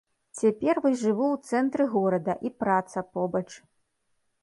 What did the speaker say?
Цяпер вось жыву ў цэнтры горада, і праца побач.